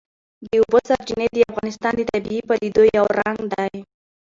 د اوبو سرچینې د افغانستان د طبیعي پدیدو یو رنګ دی.